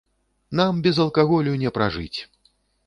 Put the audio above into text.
Нам без алкаголю не пражыць.